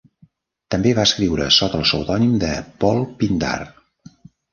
També va escriure sota el pseudònim de Paul Pindar.